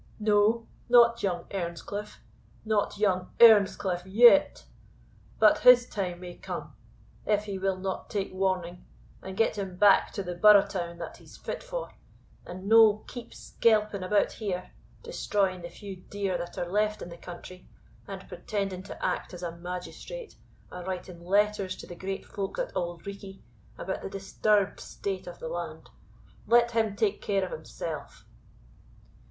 "No; not young Earnscliff not young Earnscliff YET; but his time may come, if he will not take warning, and get him back to the burrow town that he's fit for, and no keep skelping about here, destroying the few deer that are left in the country, and pretending to act as a magistrate, and writing letters to the great folk at Auld Reekie, about the disturbed state of the land. Let him take care o' himsell."